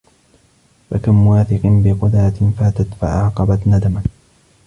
فَكَمْ وَاثِقٍ بِقُدْرَةٍ فَاتَتْ فَأَعْقَبَتْ نَدَمًا